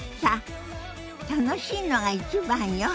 楽しいのが一番よ。